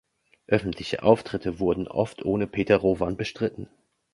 Öffentliche Auftritte wurden oft ohne Peter Rowan bestritten.